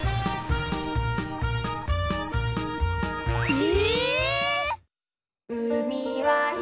え！？